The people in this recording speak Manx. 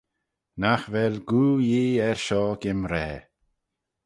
Nagh vel goo Yee er shoh gimraa.